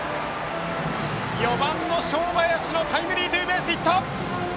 ４番の正林のタイムリーツーベースヒット！